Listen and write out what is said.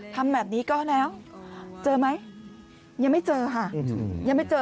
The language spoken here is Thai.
ทำแบบนี้ก็แล้วเจอไหมยังไม่เจอค่ะยังไม่เจอ